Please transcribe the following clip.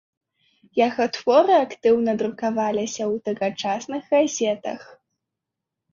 Яго творы актыўна друкаваліся ў тагачасных газетах.